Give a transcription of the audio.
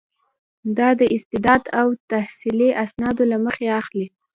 دا د استعداد او تحصیلي اسنادو له مخې اخلي.